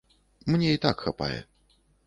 Мне і так хапае.